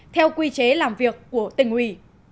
theo quy chế làm việc của tình ủy